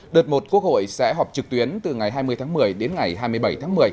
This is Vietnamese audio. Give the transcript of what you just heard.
đợt một quốc hội sẽ họp trực tuyến từ ngày hai mươi tháng một mươi đến ngày hai mươi bảy tháng một mươi